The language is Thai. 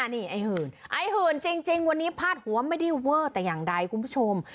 นี่ไอ้หื่นไอ้หื่นจริงวันนี้พาดหัวไม่ได้เวอร์แต่อย่างใดคุณผู้ชม